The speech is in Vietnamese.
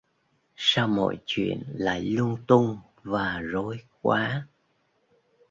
Sao mọi chuyện lại lung tung và rối quá